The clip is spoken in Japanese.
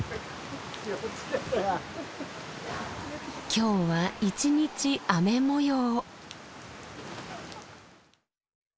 今日は一日雨模様。